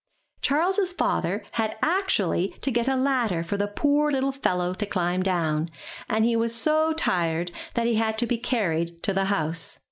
Charles's father had actually to get a ladder for the poor little fellow to climb down, and he was so tired that he had to be carried to the house.